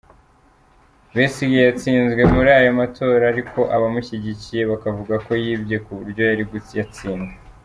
Besigye yatsinzwe muri ayo matora ariko abamushyigikiye bakavuga ko yibwe ku buryo yari kuyatsinda.